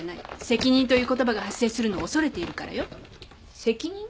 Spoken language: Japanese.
「責任」という言葉が発生するのを恐れているからよ。責任？